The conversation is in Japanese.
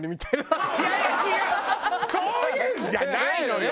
そういうんじゃないのよ。